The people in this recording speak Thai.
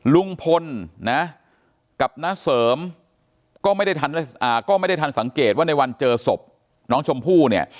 ลุงพลนะกับน้าเสริมก็ไม่ได้ทันสังเกตว่าในวันเจอศพน้องชมพู่เนี่ย